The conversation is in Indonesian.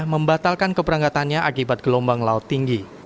membatalkan keberangkatannya akibat gelombang laut tinggi